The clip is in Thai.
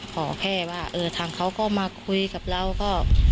ขอแค่ว่าเออทางเขาก็มาคุยกับเราก็